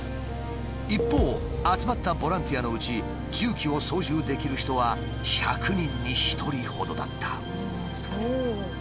一方集まったボランティアのうち重機を操縦できる人は１００人に１人ほどだった。